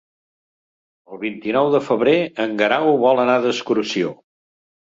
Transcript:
El vint-i-nou de febrer en Guerau vol anar d'excursió.